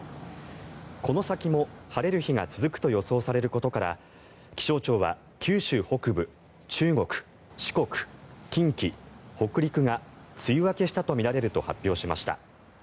この先も晴れる日が続くと予想されることから気象庁は九州北部、中国、四国近畿、北陸が梅雨明けしたとみられると発表しました。